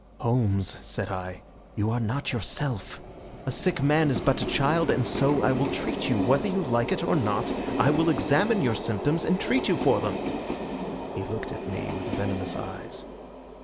"Holmes," said I, "you are not yourself. A sick man is but a child, and so I will treat you. Whether you like it or not, I will examine your symptoms and treat you for them." He looked at me with venomous eyes.